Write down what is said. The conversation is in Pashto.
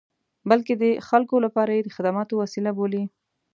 بلکې د خلکو لپاره یې د خدماتو وسیله بولي.